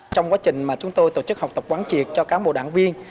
trong quá trình mà chúng tôi tổ chức học tập quán triệt cho cán bộ đảng viên